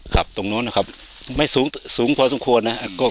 ครับตรงนู้นนะครับไม่สูงพอสมควรนะครับ